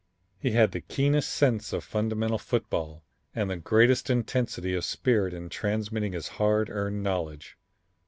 He had the keenest sense of fundamental football and the greatest intensity of spirit in transmitting his hard earned knowledge.